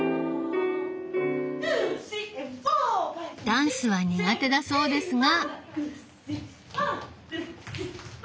ダンスは苦手だそうですが。